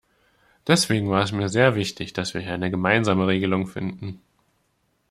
Deswegen war es mir sehr wichtig, dass wir hier eine gemeinsame Regelung finden.